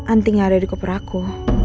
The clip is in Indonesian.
anting yang ada di koper aku